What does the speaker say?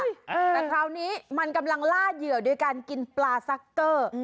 แต่คราวนี้มันกำลังล่าเหยื่อโดยการกินปลาซักเกอร์